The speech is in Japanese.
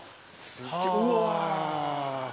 うわ。